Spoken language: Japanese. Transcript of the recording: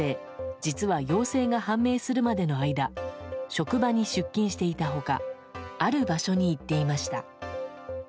実は陽性が判明するまでの間職場に出勤していた他ある場所に行っていました。